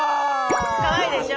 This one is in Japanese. かわいいでしょ。